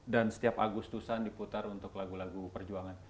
dan setiap agustusan diputar untuk lagu lagu perjuangan